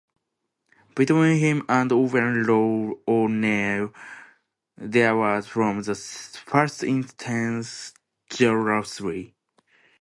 Between him and Owen Roe O'Neill there was from the first intense jealousy.